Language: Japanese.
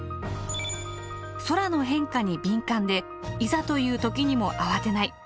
空の変化に敏感でいざという時にもあわてない。